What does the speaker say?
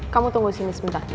kamu tunggu disini sebentar